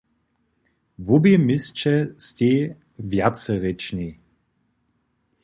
Wobě měsće stej wjacerěčnej.